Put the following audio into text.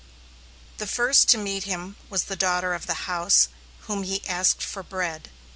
The first to meet him was the daughter of the house, whom he asked for bread.